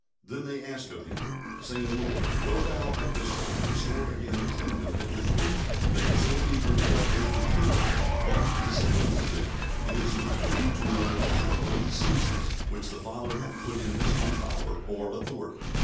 Then "they asked of Him, saying, Lord, wilt Thou at this time restore again the kingdom to Israel?" They were still eager for an earthly kingdom. But "He said unto them, It is not for you to know the time or the seasons, which the Father hath put in His own power," or authority.